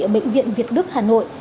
ở bệnh viện việt đức hà nội